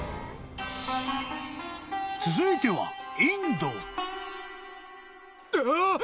［続いては］